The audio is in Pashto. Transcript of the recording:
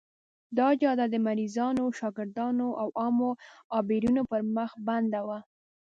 دا جاده د مریضانو، شاګردانو او عامو عابرینو پر مخ بنده وه.